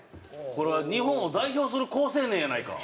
これは日本を代表する好青年やないか。